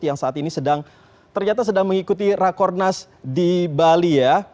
yang saat ini ternyata sedang mengikuti rakornas di bali ya